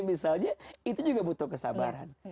misalnya itu juga butuh kesabaran